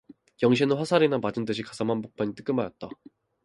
영신은 화살이나 맞은 듯이 가슴 한복 판이 뜨끔하였다.